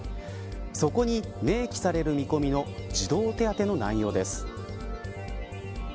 そこに明記される見込みの児童手当の内容です。